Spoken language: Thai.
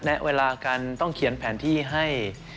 เวลากันต้องเขียนแผนที่ให้